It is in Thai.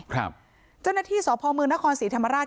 เจ้าหน้าที่สพมนครศรีธรรมราช